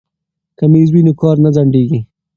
که میز وي نو کار نه ځنډیږي.